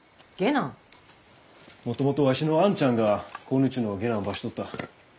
もともとわしの兄ちゃんがこん家の下男ばしとった。